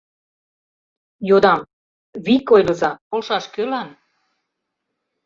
Йодам: «Вик ойлыза, полшаш кӧлан?